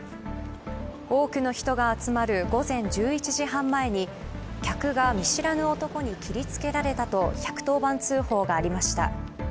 多くの人が集まる午前１１時半前に客が見知らぬ男に切り付けられたと１１０番通報がありました。